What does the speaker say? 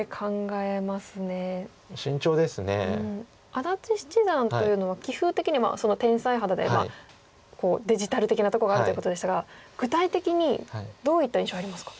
安達七段というのは棋風的に天才肌でデジタル的なとこがあるということでしたが具体的にどういった印象ありますか？